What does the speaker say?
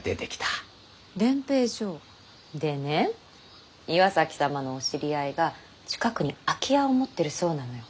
練兵場？でね岩崎様のお知り合いが近くに空き家を持ってるそうなのよ。